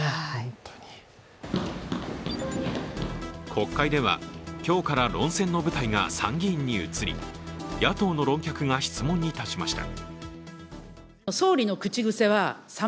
国会では、今日から論戦の舞台が参議院に移り野党の論客が質問に立ちました。